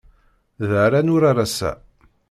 Da ara nurar ass-a.